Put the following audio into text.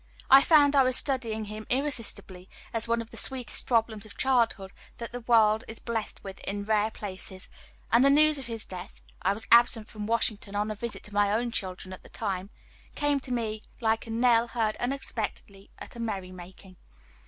I found I was studying him irresistibly, as one of the sweet problems of childhood that the world is blessed with in rare places; and the news of his death (I was absent from Washington, on a visit to my own children, at the time) came to me like a knell heard unexpectedly at a merry making.